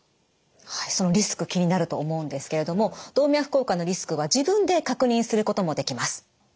はいそのリスク気になると思うんですけれども動脈硬化のリスクは自分で確認することもできます。